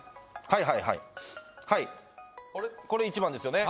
はいはいはいこれ１番ですよね？